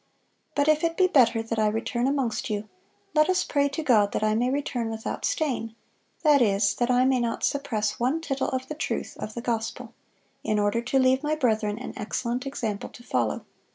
But if it be better that I return amongst you, let us pray to God that I may return without stain,—that is, that I may not suppress one tittle of the truth of the gospel, in order to leave my brethren an excellent example to follow.